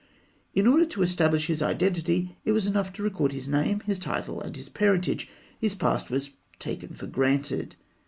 In order to establish his identity, it was enough to record his name, his title, and his parentage; his past was taken for granted.